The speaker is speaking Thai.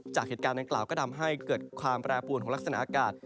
จากเหตุการณ์ดังกล่าวก็ทำให้เกิดความแปรปวนของลักษณะอากาศ